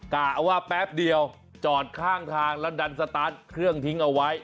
กะว่าแป๊บเดียวจอดข้างทางแล้วดันสตาร์ทเครื่องทิ้งเอาไว้